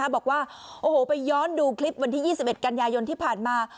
บอกว่าโอ้โหไปย้อนดูคลิปวันที่๒๑กันยายนที่ผ่านมา